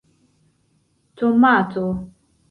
tomato